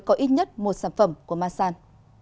có ít nhất một sản phẩm của masan